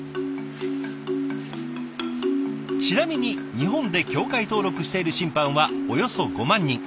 ちなみに日本で協会登録している審判はおよそ５万人。